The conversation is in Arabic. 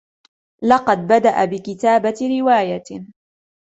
لقد بدأ بكتابة رواية.